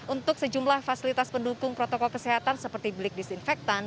untuk sejumlah fasilitas pendukung protokol kesehatan seperti belik disinfektan